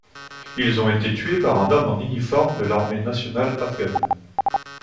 Ils ont été tués par un homme en uniforme de l'armée nationale afghane.